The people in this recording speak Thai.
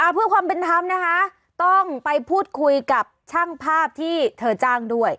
เพื่อความเป็นธรรมนะคะต้องไปพูดคุยกับช่างภาพที่เธอจ้างด้วย